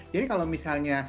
jadi kalau misalnya